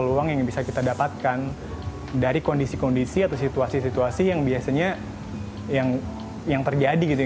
peluang yang bisa kita dapatkan dari kondisi kondisi atau situasi situasi yang biasanya yang terjadi gitu ya